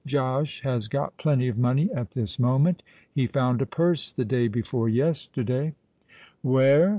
Josh has got plenty of money at this moment. He found a purse the day before yesterday——" "Where?"